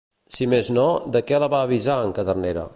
Si més no, de què la va avisar en Cadernera?